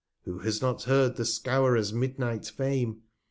Who has not heard the Scowrer's Midnight Fame?